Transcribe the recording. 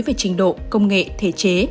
về trình độ công nghệ thể chế